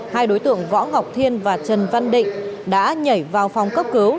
hai đối tượng võ ngọc thiên và trần văn định đã nhảy vào phòng cấp cứu